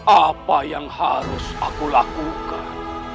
apa yang harus aku lakukan